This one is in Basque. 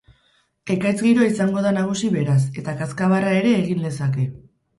Ekaitz giroa izango da nagusi, beraz, eta kazkabarra ere egin lezake.